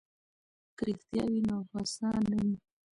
که رښتیا وي نو غصه نه وي.